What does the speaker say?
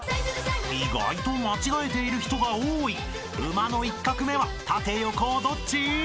［意外と間違えている人が多い馬の１画目は縦横どっち？］